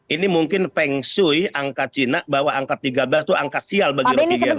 ini mungkin feng shui angka cina bahwa angka tiga belas itu angka sial bagi rupiah